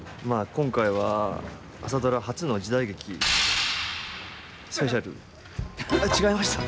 今回は「朝ドラ」初の時代劇スペシャルあっ違いました？